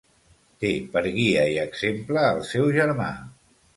Té per guia i exemple el seu germà.